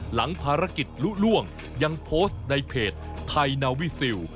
หลังภารกิจลุล่วงยังโพสต์ในเพจไทยนาวิซิล